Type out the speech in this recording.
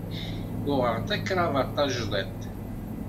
Uɣeɣ-d takravat tajḍiṭ.